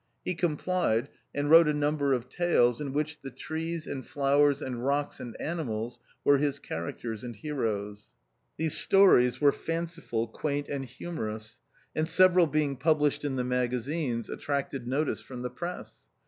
He complied, and wrote a number of tales, in which the trees, and flowers, and rocks, and animals were his characters and heroes. These stories were fanciful, quaint, and humorous ; and several being pub lished in the magazines, attracted notice from the press.